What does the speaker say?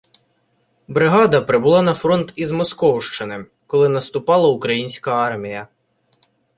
Бригада прибула на фронт із Московщини, коли наступала українська армія.